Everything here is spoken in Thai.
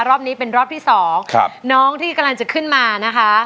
รอบนี้เป็นรอบที่สองครับน้องที่กำลังจะขึ้นมานะคะ